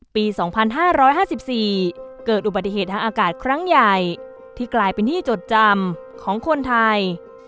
ปี๒๕๕๔เกิดอุบัติเหตุทางอากาศครั้งใหญ่ที่กลายเป็นที่จดจำของคนไทย